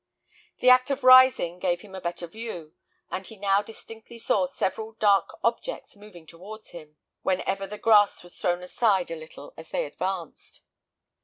The act of rising gave him a better view; and he now distinctly saw several dark objects moving towards him, whenever the grass was thrown aside a little as they advanced.